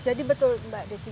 jadi betul mbak desy